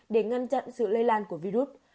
để ngăn chặn sự lây lan của virus